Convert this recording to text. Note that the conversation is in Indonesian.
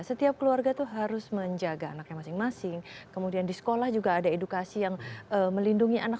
setiap keluarga itu harus menjaga anaknya masing masing kemudian di sekolah juga ada edukasi yang melindungi anak